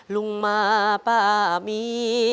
ลุงมาป้ามี